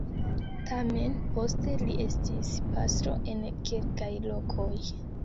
Tamen poste li estis pastro en kelkaj lokoj.